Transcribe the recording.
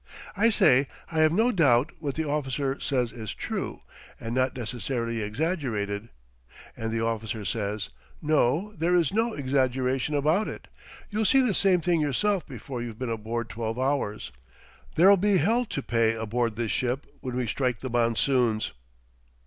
I say I have no doubt what the officer says is true, and not necessarily exaggerated, and the officer says: "No, there is no exaggeration about it. You'll see the same thing yourself before you've been aboard twelve hours. There'll be h ll to pay aboard this ship when we strike the monsoons."